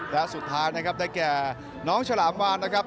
และสุดท้ายนะครับได้แก่น้องฉลามวานนะครับ